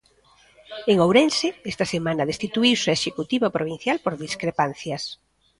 En Ourense esta semana destituíuse a executiva provincial por discrepancias.